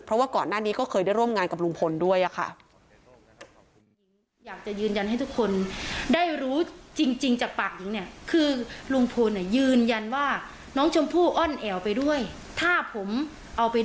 เพราะว่าก่อนหน้านี้ก็เคยได้ร่วมงานกับลุงพลด้วยค่ะ